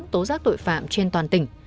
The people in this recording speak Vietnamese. tố giác tội phạm trên toàn tỉnh